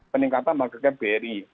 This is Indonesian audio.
peningkatan marka marka bri